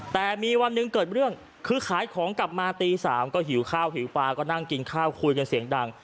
แต่มีวันหนึ่งเกิดเรื่องคือขายของกลับมาตี๓ก็หิวข้าวหิวปลาก็นั่งกินข้าวคุยกันเสียงดัง